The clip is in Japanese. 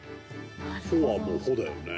「ほ」はもう「ほ」だよね。